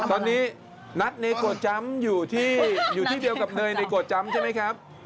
ตอนนี้นัทเนโกะจำอยู่ที่เดียวกับเนยเนโกะจำใช่ไหมครับ